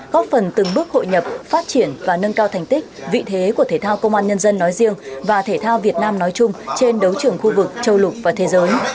góp phần từng bước hội nhập phát triển và nâng cao thành tích vị thế của thể thao công an nhân dân nói riêng và thể thao việt nam nói chung trên đấu trường khu vực châu lục và thế giới